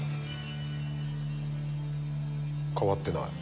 変わってない。